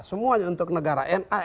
semuanya untuk negara